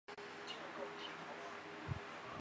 筱原爱实是出身于日本东京都的演员。